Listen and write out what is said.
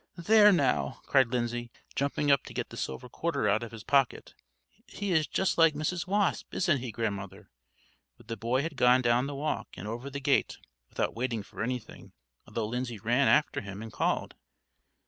"There now," cried Lindsay, jumping up to get the silver quarter out of his pocket. "He is just like Mrs. Wasp, isn't he, Grandmother?" But the boy had gone down the walk and over the gate without waiting for anything, although Lindsay ran after him and called.